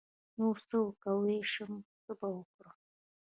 نـور څه کوی شم څه به وکړم.